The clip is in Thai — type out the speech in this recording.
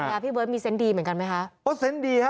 พี่เบิร์ตมีเซนต์ดีเหมือนกันไหมคะโอ้เซนต์ดีฮะ